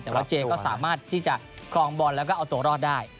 แต่ว่าเจก็สามารถที่จะครองบอลแล้วก็เอาตัวรอดได้